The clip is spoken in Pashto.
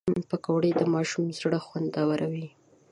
پکورې د ماشوم زړه خوندوروي